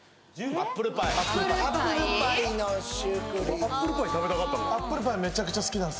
アップルパイ食べたかったんだ